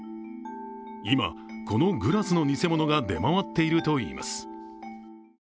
今、このグラスの偽物が出回っているといいます。